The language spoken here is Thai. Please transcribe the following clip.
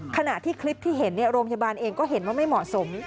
ขณะที่คลิปที่เห็นโรงพยาบาลเองก็เห็นว่าไม่เหมาะสม